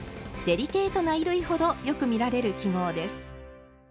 デリケートな衣類ほどよく見られる記号です。